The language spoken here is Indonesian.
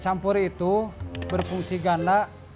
es campur itu berfungsi ganda